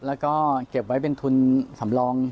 แล้วก็เก็บไว้เป็นทุนสำรอง